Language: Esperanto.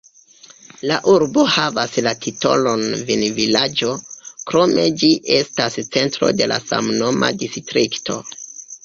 La urbo havas la titolon vinvilaĝo, krome ĝi estas centro de la samnoma distrikto.